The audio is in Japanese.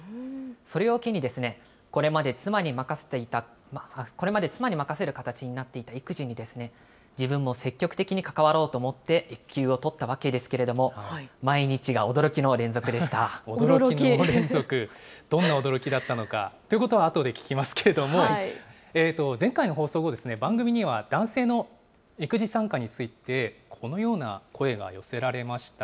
それを機に、これまで妻に任せる形になっていた育児に自分も積極的に関わろうと思って、育休を取ったわけですけれども、毎日が驚驚きの連続、どんな驚きだったのかということはあとで聞きますけれども、前回の放送後、番組には男性の育児参加について、このような声が寄せられました。